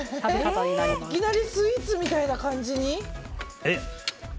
いきなりスイーツみたいな感じに？